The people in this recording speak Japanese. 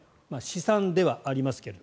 試算ではありますが。